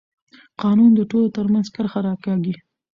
قانون د ټولو ترمنځ کرښه راکاږي